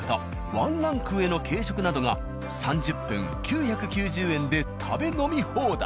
ワンランク上の軽食などが３０分９９０円で食べ飲み放題。